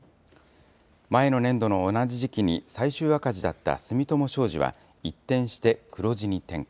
前の年度の同じ時期に最終赤字だった住友商事は一転して、黒字に転換。